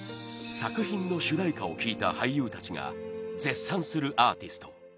作品の主題歌を聴いた俳優たちが絶賛するアーティスト